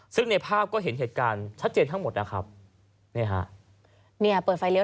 ซึ่งในภาพก็เห็นเหตุการณ์ชัดเจนทั้งหมดนะครับนี่ฮะเนี่ยเปิดไฟเลี้ย